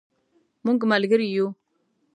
مونږ ملګري یو